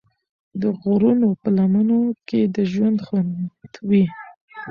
د غرونو په لمنو کې د ژوند خوند وي.